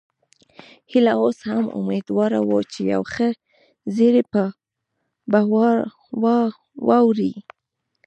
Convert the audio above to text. هيله اوس هم اميدواره وه چې یو ښه زیری به واوري